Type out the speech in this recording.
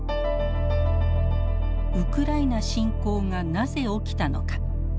ウクライナ侵攻がなぜ起きたのか。